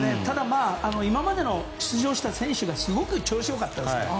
ただ今までの出場した選手がすごく調子が良かったんです。